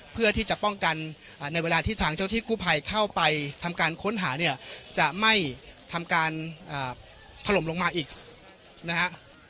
เพื่อที่จะป้องกันในเวลาที่ทางเจ้าที่กู้ภัยเข้าไปทำการค้นหาเนี่ยจะไม่ทำการถล่มลงมาอีกนะฮะ